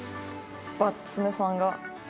バッツネさんが。